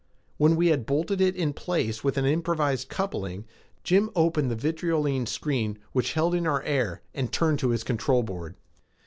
When we had bolted it in place with an improvised coupling, Jim opened the vitriolene screen which held in our air and turned to his control board.